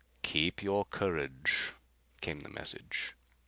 "Keep your courage," came the message.